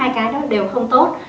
hai cái đó đều không tốt